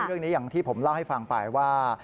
เรื่องนี้อย่างที่ผมเล่าให้ฟังไปว่า